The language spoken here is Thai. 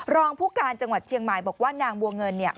รองผู้การจังหวัดเชียงใหม่บอกว่านางบัวเงินเนี่ย